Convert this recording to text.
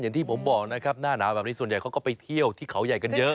อย่างที่ผมบอกนะครับหน้าหนาวแบบนี้ส่วนใหญ่เขาก็ไปเที่ยวที่เขาใหญ่กันเยอะ